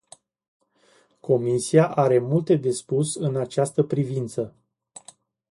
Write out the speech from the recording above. Comisia are multe de spus în această privință.